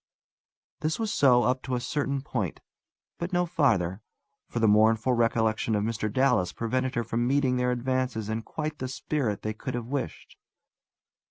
This was so up to a certain point; but no farther, for the mournful recollection of Mr. Dallas prevented her from meeting their advances in quite the spirit they could have wished.